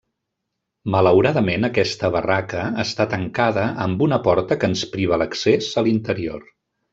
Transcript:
Malauradament aquesta barraca està tancada amb una porta que ens priva l'accés a l'interior.